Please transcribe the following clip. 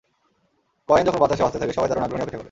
Coin যখন বাতাসে ভাসতে থাকে, সবাই দারুণ আগ্রহ নিয়ে অপেক্ষা করে।